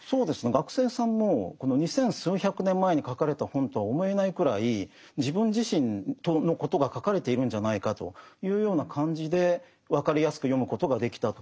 学生さんも二千数百年前に書かれた本とは思えないくらい自分自身のことが書かれているんじゃないかというような感じで分かりやすく読むことができたと。